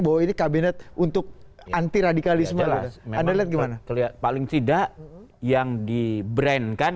bahwa ini kabinet untuk anti radikalisme lah anda lihat gimana terlihat paling tidak yang di brand kan